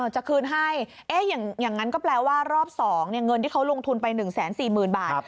จะคืนให้อย่างนั้นก็แปลว่ารอบ๒เงินที่เขาลงทุนไป๑๔๐๐๐บาท